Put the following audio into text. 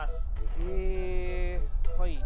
えはい。